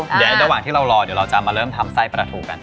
เดี๋ยวระหว่างที่เรารอเดี๋ยวเราจะมาเริ่มทำไส้ปลาทูกัน